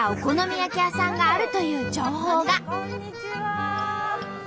あっこんにちは！